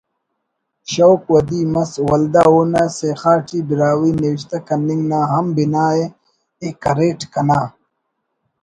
شوق ودی مس ولدا اونا سیخا ٹی براہوئی نوشتہ کننگ نا ہم بناءِ کریٹ کنا